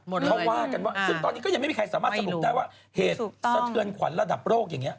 เขาว่ากันว่าซึ่งตอนนี้ก็ยังไม่มีใครสามารถสรุปได้ว่าเหตุสะเทือนขวัญระดับโลกอย่างนี้